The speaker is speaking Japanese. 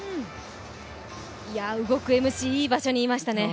動くＭＣ、いい場所にいましたね。